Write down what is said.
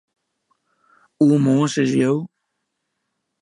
Oaremoarn, sizze jo?